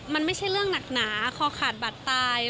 มันไม่ใช่เรื่องหนักหนาคอขาดบัตรตาย